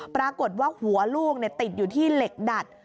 ปรากฏว่าหัวลูกติดอยู่ที่เหล็กดัด